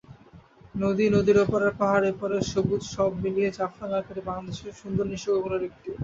নদী, নদীর ওপারের পাহাড়, এপারের সবুজ—সব মিলিয়ে জাফলং এলাকাটি বাংলাদেশের সুন্দর নিসর্গগুলোর একটি।